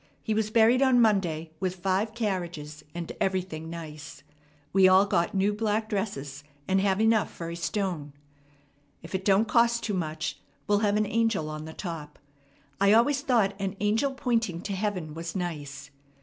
He was buried on Monday with five carriages and everything nice. We all got new black dresses, and have enough for a stone. If it don't cost too much, we'll have an angle on the top. I always thought an angle pointing to heaven was nice.